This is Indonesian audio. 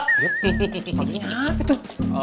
heheheh maksudnya apa tuh